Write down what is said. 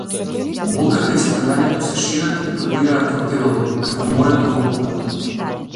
Болката и страдањето се шират и продираат во телото, како морето во копното.